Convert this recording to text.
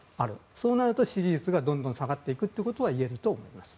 そうなると支持率がどんどん下がっていくってことは言えると思います。